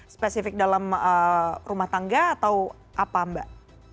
spesifik dalam rumah tangga atau apa mbak